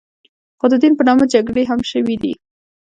خو د دین په نامه جګړې هم شوې دي.